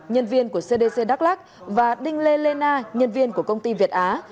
nhân viên của cdc đắk lắc và đinh lê lê na nhân viên của công ty việt á